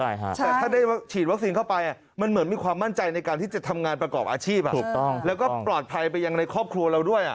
แต่ถ้าได้ฉีดวัคซีนเข้าไปมันเหมือนมีความมั่นใจในการที่จะทำงานประกอบอาชีพถูกต้องแล้วก็ปลอดภัยไปยังในครอบครัวเราด้วย